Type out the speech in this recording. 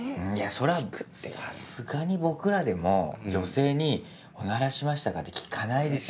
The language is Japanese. それはさすがに僕らでも女性に「おならしましたか？」って聞かないですよ。